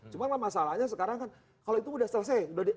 cuman lah masalahnya sekarang kan kalau itu udah selesai